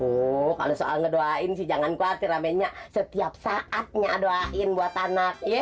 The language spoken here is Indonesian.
oh kalau soal ngedoain sih jangan kuatir amainnya setiap saatnya doain buat anak ya